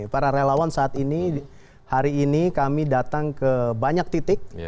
para relawan saat ini hari ini kami datang ke banyak titik